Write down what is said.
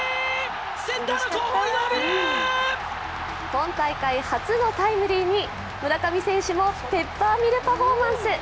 今大会初のタイムリーに村上選手もペッパーミルパフォーマンス。